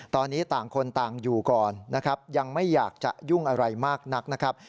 ตอนนี้ต่างคนต่างอยู่ก่อนนะครับยังไม่อยากจะยุ่งอะไรมากนักนะครับ